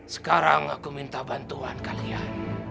sekarang aku minta bantuan kalian